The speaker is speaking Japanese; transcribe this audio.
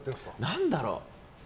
何だろう？